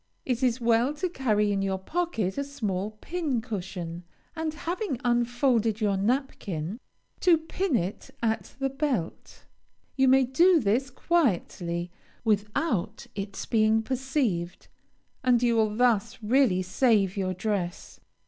It is well to carry in your pocket a small pincushion, and, having unfolded your napkin, to pin it at the belt. You may do this quietly, without its being perceived, and you will thus really save your dress.